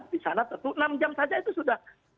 di sana enam jam saja itu sudah